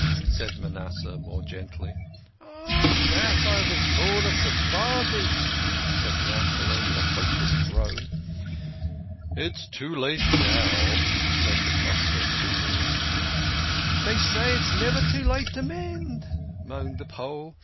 said Manasseh more gently. " Oh dat I had been born a Sephardi !" said Yankele with a hopeless groan. " It is too late now," said da Costa soothingly. "Dey say it's never too late to mend," moaned the Pole.